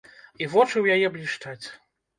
І вочы ў яе блішчаць.